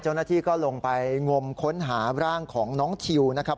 เจ้าหน้าที่ก็ลงไปงมค้นหาร่างของน้องทิวนะครับ